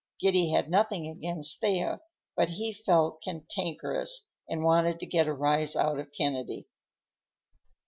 Giddy had nothing against Thea, but he felt cantankerous and wanted to get a rise out of Kennedy.